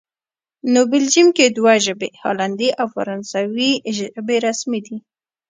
نو بلجیم کې دوه ژبې، هالندي او فرانسوي ژبې رسمي دي